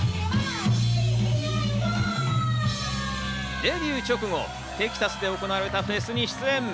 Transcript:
デビュー直後、テキサスで行われたフェスに出演。